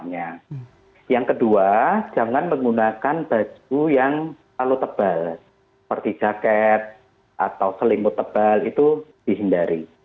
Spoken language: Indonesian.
yang kedua jangan menggunakan baju yang terlalu tebal seperti jaket atau selimut tebal itu dihindari